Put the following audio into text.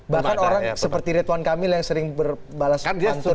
bahkan orang seperti ridwan kamil yang sering berbalas pantun